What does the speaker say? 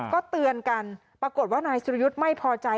ก็เตือนกันปรากฏว่านายสุรยุทธ์ไม่พอใจ